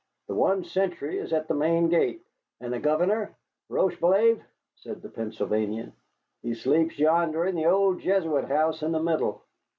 "The one sentry is at the main gate." "And the governor?" "Rocheblave?" said the Pennsylvanian. "He sleeps yonder in the old Jesuit house in the middle."